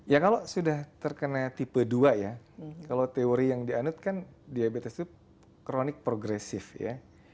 ya kalau sudah terkena tipe dua ya kalau teori yang dianut kan diabetes itu kronik progresif ya